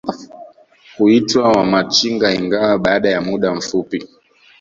kuitwa Wamachinga ingawa baada ya muda mfupi